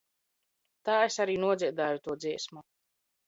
Tā es arī nodziedāju to dziesmu.